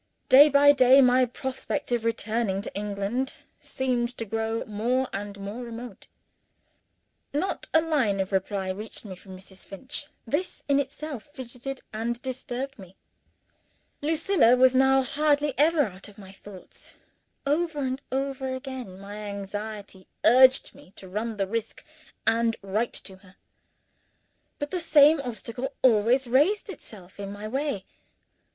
Day by day, my prospect of returning to England seemed to grow more and more remote. Not a line of reply reached me from Mrs. Finch. This in itself fidgeted and disturbed me. Lucilla was now hardly ever out of my thoughts. Over and over again, my anxiety urged me to run the risk, and write to her. But the same obstacle always raised itself in my way.